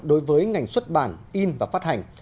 đối với ngành xuất bản in và phát hành